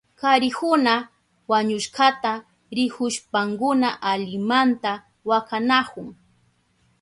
Karikuna wañushkata rikushpankuna alimanta wakanahun.